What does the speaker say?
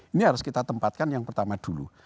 ini harus kita tempatkan yang pertama dulu